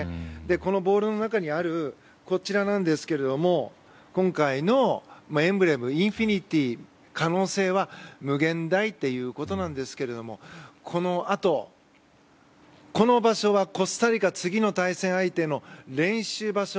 このボールの中にあるこちらなんですが今回のエンブレムインフィニティー、可能性は無限大ということなんですがこのあと、この場所はコスタリカ次の対戦相手の練習場所。